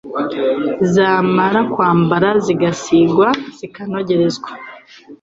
Zamara kwambara zigasigwa zikanogerezwa